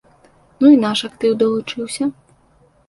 Ну і наш актыў далучыўся.